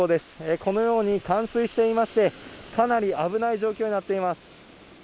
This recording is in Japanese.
このように、冠水していまして、かなり危ない状況になっています。